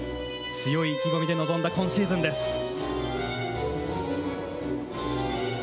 強い意気込みで臨んだ今シーズンです。